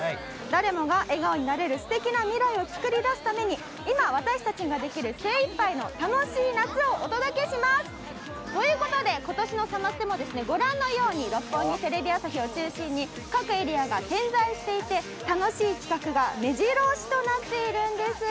誰もが笑顔になれる素敵な未来を作り出すために今、私たちができる精いっぱいの楽しい夏をお届けします。ということで、今年のサマステもご覧のように六本木、テレビ朝日を中心に各エリアが点在していて楽しい企画が目白押しとなっているんです。